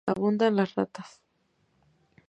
Abundan las ratas.